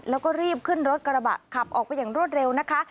แล้วก็รีบขึ้นรถกระบะขับออกไปอย่างรวดเร็วนะคะ